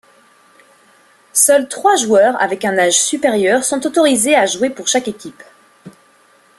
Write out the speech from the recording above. Seuls trois joueurs avec un âge supérieur sont autorisés à jouer pour chaque équipe.